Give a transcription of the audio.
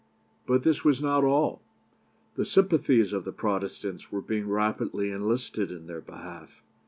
But this was not all. The sympathies of the Protestants were being rapidly enlisted in their behalf.